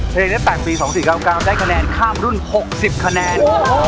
เพลงนี้แต่งปี๒๔๙๙ได้คะแนนข้ามรุ่น๖๐คะแนน